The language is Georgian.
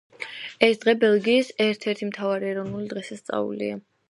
ეს დღე ბელგიის ერთ-ერთი მთავარი ეროვნული დღესასწაულია.